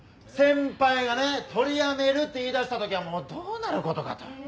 先輩がね取りやめるって言いだしたときはどうなることかと。